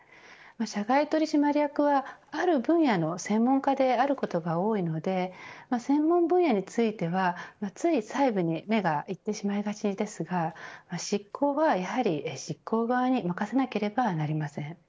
社外取締役はある分野の専門家であることが多いので専門分野についてはつい細部に目がいってしまいがちですが執行はやはり執行側に任せなければなりません。